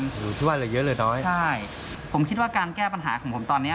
อยู่ทุกวันเหลือเยอะเหลือน้อยใช่ผมคิดว่าการแก้ปัญหาของผมตอนนี้